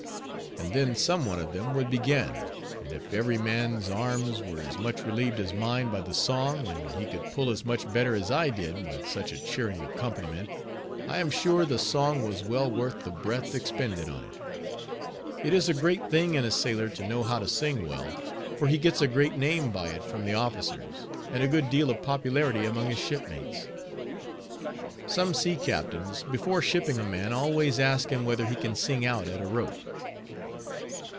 _ And then some one of them would begin, and if every man's arms were as much relieved as mine by the song, and he could pull as much better as I did, with such a cheering accompaniment, I am sure the song was well worth the breath expended on it. It is a great thing in a sailor to know how to sing well, for he gets a great name by it from the officers, and a good deal of popularity among his shipmates. Some sea captains, before shipping a man, always ask him whether he can sing out at a rope.